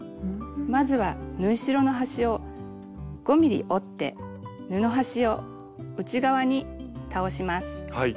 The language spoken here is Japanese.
まずは縫い代の端を５ｍｍ折って布端を内側に倒します。